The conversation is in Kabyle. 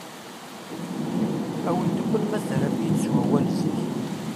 Awi-d ukkan ma terram-iyi-d s wawal zik.